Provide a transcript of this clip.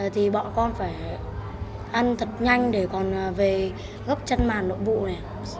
thì bọn con phải ăn thật nhanh để còn về gấp chân màn đội vụ này